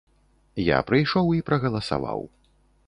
Я прыйшоў і прагаласаваў.